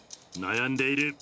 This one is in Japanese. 悩んでいる。